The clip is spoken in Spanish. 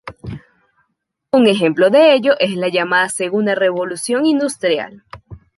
Un ejemplo de ello es la llamada Segunda Revolución Industrial.